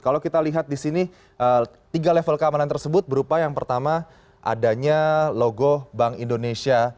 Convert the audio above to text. kalau kita lihat di sini tiga level keamanan tersebut berupa yang pertama adanya logo bank indonesia